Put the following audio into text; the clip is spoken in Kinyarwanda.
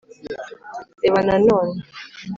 Reba nanone